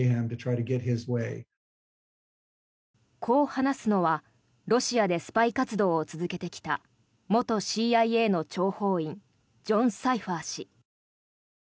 こう話すのはロシアでスパイ活動を続けてきた元ＣＩＡの諜報員ジョン・サイファー氏。